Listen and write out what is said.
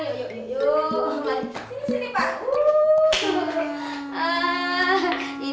ini hidangan buat bupati sama calon bupati